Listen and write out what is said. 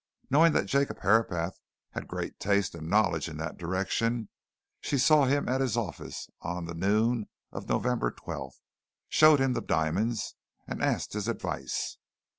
Knowing that Jacob Herapath had great taste and knowledge in that direction, she saw him at his office on the noon of November 12th, showed him the diamonds, and asked his advice.